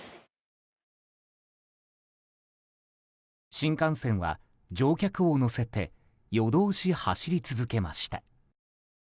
新幹線は乗客を乗せて夜通し走り続けました。